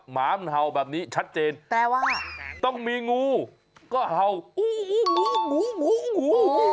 หมามันเห่าแบบนี้ชัดเจนแปลว่าต้องมีงูก็เห่าอู้องูหมูหมู